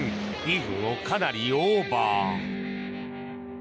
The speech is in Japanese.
２分をかなりオーバー。